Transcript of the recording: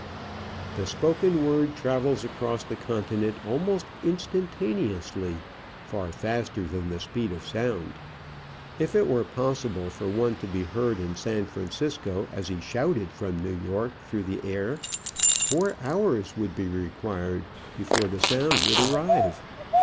The spoken word travels across the continent almost instantaneously, far faster than the speed of sound. If it were possible for one to be heard in San Francisco as he shouted from New York through the air, four hours would be required before the sound would arrive.